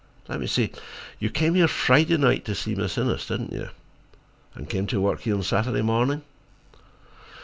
Let me see. You came here Friday night to see Miss Innes, didn't you? And came to work here Saturday morning?"